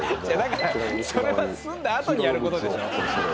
だからそれは住んだあとにやることでしょ？